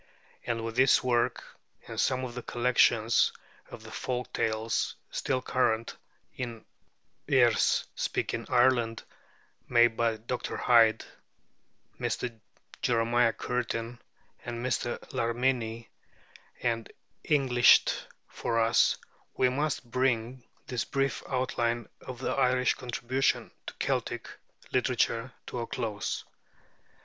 And with this work, and some of the collections of the folk tales still current in Erse speaking Ireland, made by Dr. Hyde, Mr. Jeremiah Curtin, and Mr. Larminie, and Englished for us, we must bring this brief outline of the Irish contribution to Celtic literature to a close.